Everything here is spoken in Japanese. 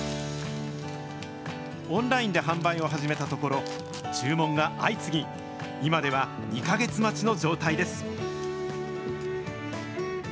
オンラインで販売を始めたところ、注文が相次ぎ、今では２か月待ちの状態です。